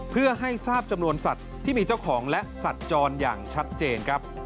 เพื่อให้ทราบจำนวนสัตว์ที่มีเจ้าของและสัตว์จรอย่างชัดเจนครับ